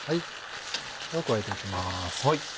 では加えていきます。